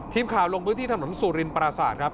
ทีมข่าวลงพื้นที่ถนนสุรินปราศาสตร์ครับ